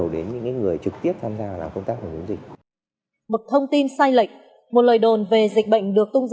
một thông tin sai lệch